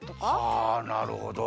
はあなるほど。